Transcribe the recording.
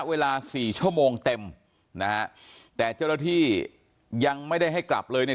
เวลา๔ชั่วโมงเต็มนะแต่เจ้าละที่ยังไม่ได้ให้กลับเลยใน